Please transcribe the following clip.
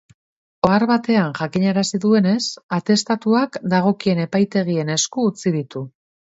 Ohar batean jakinarazi duenez, atestatuak dagokien epaitegien esku utzi ditu.